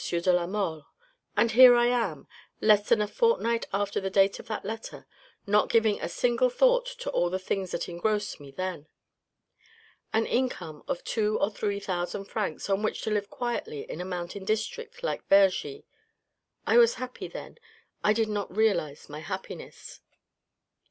de la Mole, and here am I, less than a fortnight after the date of that letter, not giving a single thought to all the things that engrossed me then. An income of two or three thousand francs, on which to live quietly in a mountain district, like Vergy. .. I was happy then. .. I did not realise my happiness."